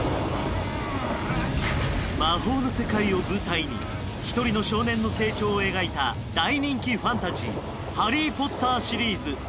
魔法の世界を舞台に一人の少年の成長を描いた大人気ファンタジーハリー・ポッターシリーズ